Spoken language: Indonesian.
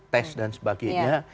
tes dan sebagainya